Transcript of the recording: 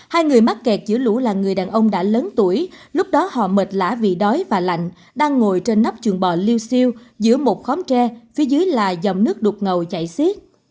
hai người mắc kẹt giữa lũ là người đàn ông đã lớn tuổi lúc đó họ mệt lã vì đói và lạnh đang ngồi trên nắp chuồng bò lưu siêu giữa một khóm tre phía dưới là dòng nước đục ngầu chạy xiết